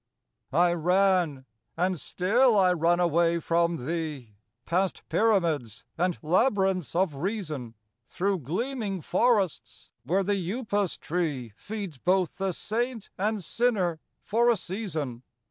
II I ran and still I run away from Thee, Past pyramids and labyrinths of reason, Through gleaming forests, where the upas tree Feeds both the saint and sinner for a season.